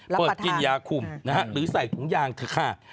แล้วเปิดกินยาคุมหรือใส่ถุงยางเผื่อค่า